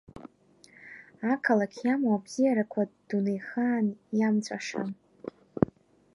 Ақалақь иамоу абзиарақәа дунеихаан иамҵәашам.